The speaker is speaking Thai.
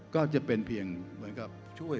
เพราะฉะนั้นเราทำกันเนี่ย